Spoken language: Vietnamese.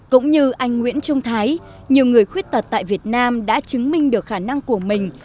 cũng như anh nguyễn trung thái nhiều người khuyết tật tại việt nam đã chứng minh được khả năng của mình